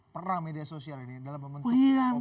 pera media sosial ini dalam membentuk opi ini